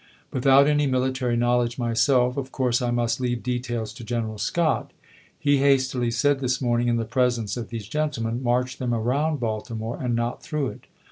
Without any military knowledge myself, of course I must leave details to General Scott. He hastily said this morn ing, in the presence of these gentlemen, "March them around Baltimore, and not through it."